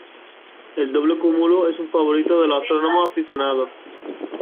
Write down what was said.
El Doble Cúmulo es un favorito de los astrónomos aficionados.